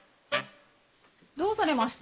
どうされました？